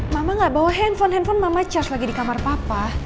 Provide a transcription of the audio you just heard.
mama gak bawa handphone handphone mama charge lagi di kamar papa